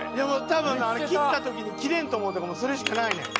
多分あれ斬った時に斬れんと思うたからもうそれしかないねん。